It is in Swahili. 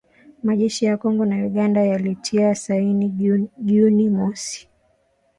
majeshi ya Kongo na Uganda yalitia saini Juni mosi